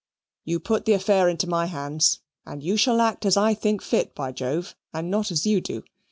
"You put the affair into my hands, and you shall act as I think fit, by Jove, and not as you do.